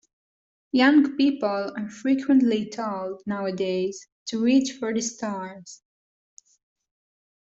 Young people are frequently told nowadays to reach for the stars.